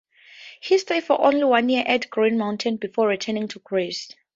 He stayed for only one year at Green Mountain before returning to Greece.